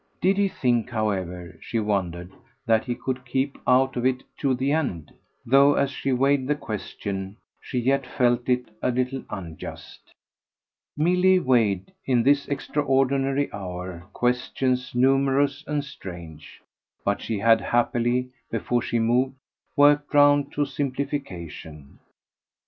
Did he think, however, she wondered, that he could keep out of it to the end? though as she weighed the question she yet felt it a little unjust. Milly weighed, in this extraordinary hour, questions numerous and strange; but she had happily, before she moved, worked round to a simplification.